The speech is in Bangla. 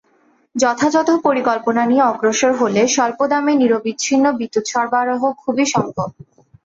যথাযথ পরিকল্পনা নিয়ে অগ্রসর হলে স্বল্পদামে নিরবচ্ছিন্ন বিদ্যুৎ সরবরাহ খুবই সম্ভব।